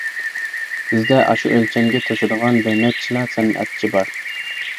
بىزدە ئاشۇ ئۆلچەمگە توشىدىغان بىر نەچچىلا سەنئەتچى بار.